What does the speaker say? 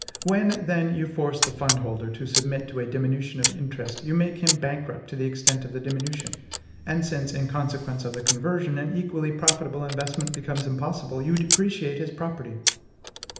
When, then, you force the fund holder to submit to a diminution of interest, you make him bankrupt to the extent of the diminution; and since, in consequence of the conversion, an equally profitable investment becomes impossible, you depreciate his property.